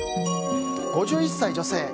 ５１歳女性。